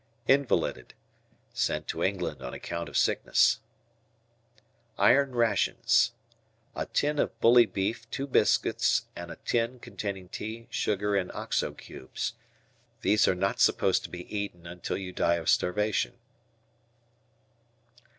"Invalided." Sent to England on account of sickness. Iron Rations. A tin of bully beef, two biscuits, and a tin containing tea, sugar, and Oxo cubes. These are not supposed to be eaten until you die of starvation.